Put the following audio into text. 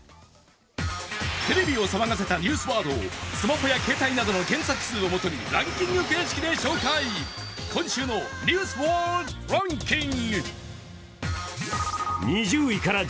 テレビを騒がせたニュースワードをスマホや携帯などの検索数を基にランキング形式で紹介、今週の「ニュースワードランキング」。